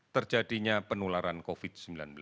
terjadinya penularan covid sembilan belas